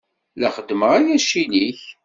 La xeddmeɣ aya ccil-ik.